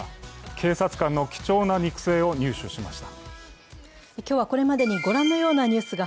警察官の貴重な肉声を入手しました。